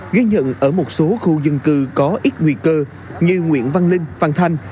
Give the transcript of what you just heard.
ghi nhận ở một số khu dân cư có ít nguy cơ như nguyễn văn linh phan thanh